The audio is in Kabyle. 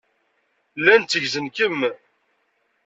Llan tteggzen-kem.